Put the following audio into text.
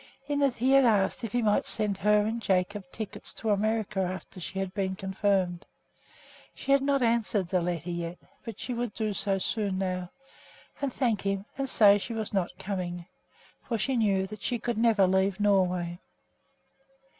In it he had asked if he might send her and Jacob tickets to America after she had been confirmed. She had not answered the letter yet, but she would do it soon now, and thank him, and say that she was not coming, for she knew that she could never leave Norway.